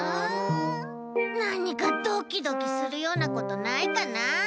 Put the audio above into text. なにかドキドキするようなことないかな。